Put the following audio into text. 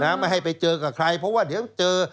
ไม่ให้ไปเจอกับใครเพราะว่าเดี๋ยวเจอ